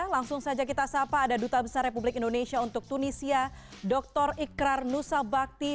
langsung saja kita sapa ada duta besar republik indonesia untuk tunisia dr ikrar nusa bakti